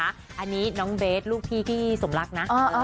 อันนี้น้องเบสลูกพี่พี่สมรักนะ